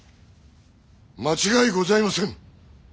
間違いございませぬ。